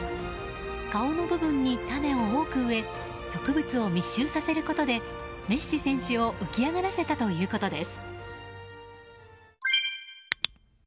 顔の部分に種を多く植え植物を密集させることでメッシ選手を浮き上がらせたということです。